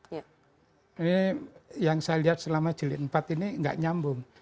ini yang saya lihat selama jilid empat ini tidak nyambung